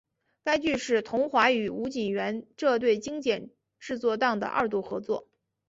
该剧是桐华与吴锦源这对经典制作档的二度合作。